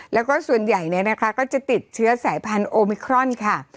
แล้วก็ส่วนใหญ่ก็ติดเชื้อสายพันธุ์โอมิครอนค่ะ